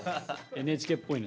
ＮＨＫっぽいね。